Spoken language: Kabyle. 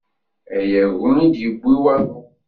Ay agu i d-yewwi waḍu.